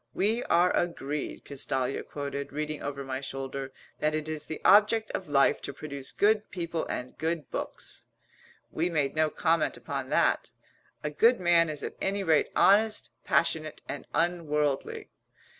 "We are agreed," Castalia quoted, reading over my shoulder, "that it is the object of life to produce good people and good books." We made no comment upon that. "A good man is at any rate honest, passionate and unworldly."